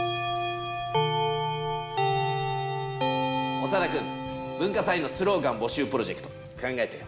オサダくん文化祭のスローガン募集プロジェクト考えたよ。